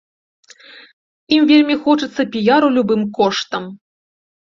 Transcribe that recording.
Ім вельмі хочацца піяру любым коштам.